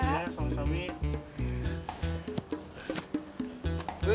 ini ya sampe sampe